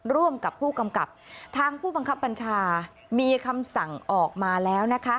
ร่วมกับผู้กำกับทางผู้บังคับบัญชามีคำสั่งออกมาแล้วนะคะ